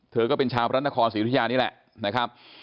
เธอก็เป็นชาวพระรัตนครศิริยานี้แหละนะครับ